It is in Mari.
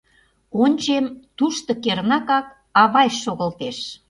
Ончем, тушто кернакак авай шогылтеш.